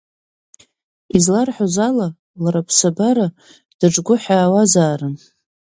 Изларҳәоз ала, лара аԥсабара даҿгәыҳәаауазаарын.